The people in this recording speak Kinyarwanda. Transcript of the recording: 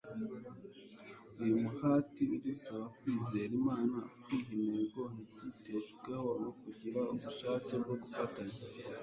uyu muhati udusaba kwizera imana, kwiha intego ntituyiteshukeho, no kugira ubushake bwo gufatanya